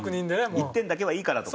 １点だけはいいからとか。